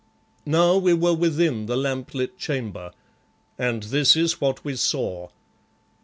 Now we were within the lamp lit chamber, and this is what we saw.